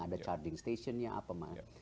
ada charging stationnya apa